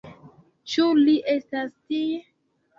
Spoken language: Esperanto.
Ĉu li estas tie?